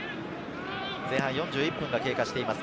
前半４１分が経過しています。